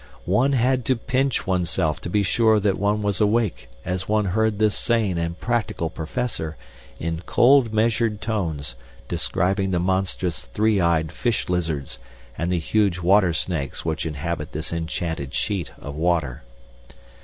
One had to pinch oneself to be sure that one was awake as one heard this sane and practical Professor in cold measured tones describing the monstrous three eyed fish lizards and the huge water snakes which inhabit this enchanted sheet of water.